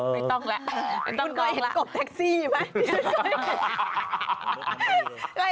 ไม่ต้องแล้วไม่ต้องแล้วคุณก็เห็นกบแท็กซี่ไหม